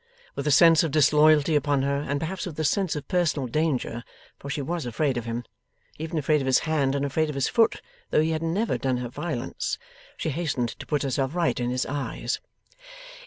With a sense of disloyalty upon her, and perhaps with a sense of personal danger for she was afraid of him even afraid of his hand and afraid of his foot, though he had never done her violence she hastened to put herself right in his eyes.